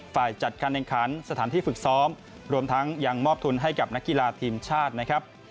ฝ่ายจัดการแข่งขันสถานที่ฝึกซ้อมรวมทั้งยังมอบทุนให้กับนักกีฬาทีมชาตินะครับ